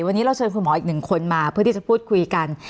วันนี้เราเชิญคุณหมออีกหนึ่งคนมาเพื่อที่จะพูดคุยกัน